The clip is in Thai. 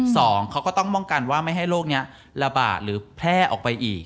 สองเขาก็ต้องป้องกันว่าไม่ให้โรคนี้ระบาดหรือแพร่ออกไปอีก